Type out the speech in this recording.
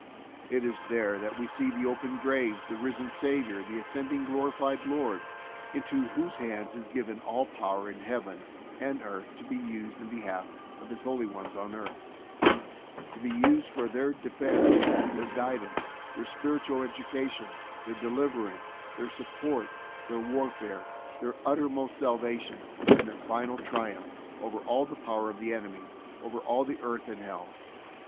It is there that we see the open grave, the risen Saviour, the ascending, glorified Lord, into whose hands is given all power in Heaven and earth to be used in behalf of His holy ones on earth; to be used for their de fense, their guidance, their spiritual educa tion, their deliverance, their support, their warfare, their uttermost salvation, and their final triumph over all the power of the enemy, over all earth and Hell.